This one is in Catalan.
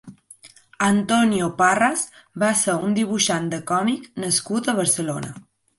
Antonio Parras va ser un dibuixant de còmic nascut a Barcelona.